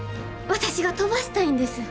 私が飛ばしたいんです。